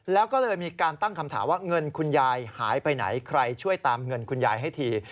แล้วก็เลยมีการตั้งคำถามว่าเงินคุณยายหายไปไหนใครช่วยตามเงินคุณยายให้ที